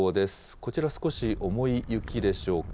こちら、少し重い雪でしょうか。